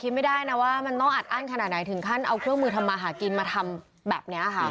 ไม่ได้นะว่ามันต้องอัดอั้นขนาดไหนถึงขั้นเอาเครื่องมือทำมาหากินมาทำแบบนี้ค่ะ